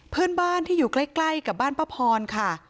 เพื่อนบ้านที่อยู่ใกล้กับบ้านป้าพรค่ะ